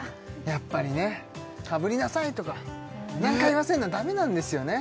やっぱりね「かぶりなさい」とか「何回言わせるの！」はダメなんですよね